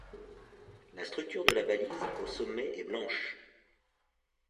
La structure de la balise au sommet est blanche.